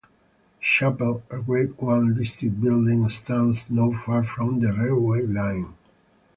The chapel, a Grade One listed building, stands not far from the railway line.